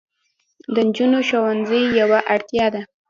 د نجونو ښوونځي یوه اړتیا ده.